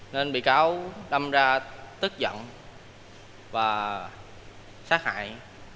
nên bị cáo đâm ra tức giận và sát hại